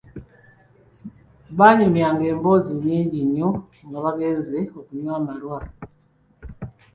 Baanyumyanga emboozi nnyingi nnyo nga bagenze okunywa amalwa.